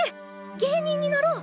芸人になろう！